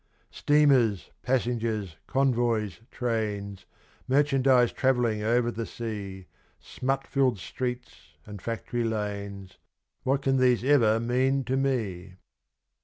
Steamers, passengers, convoys, trains, Merchandise travelling over the sea ; Smut filled streets and factory lanes, What can these ever mean to me